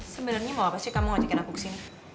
sebenarnya mau apa sih kamu ngajakin aku kesini